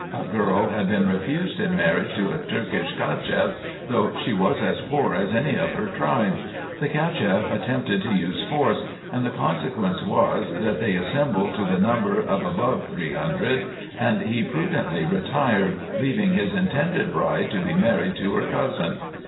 A girl had been refused in marriage to a Turkish CachefF, though she was as poor as any of her tribe. The Cacheff attempted to use force, and the consequence was, that they 312 RESEARCHES AND OPERATIONS assembled to the number of above three hundred, and he prudently retired, leaving his intended bride to be married to her cousin.